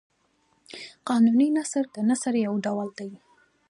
قانوني نثر د نثر یو ډول دﺉ.